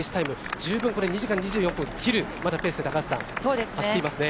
十分、２時間２４分切るペースで高橋さん、走っていますね。